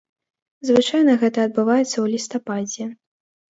Звычайна гэта адбываецца ў лістападзе.